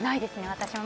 私も。